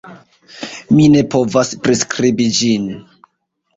Mi ne povas priskribi ĝin.